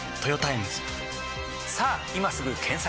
さぁ今すぐ検索！